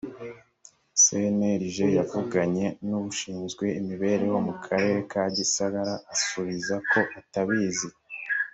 cnlg yavuganye n ushinzwe imibereho mu karere ka gisagara asubiza ko atabizi